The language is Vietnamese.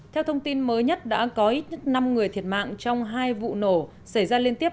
theo thông tin mới nhất đã có ít nhất năm người thiệt mạng trong hai vụ nổ xảy ra liên tiếp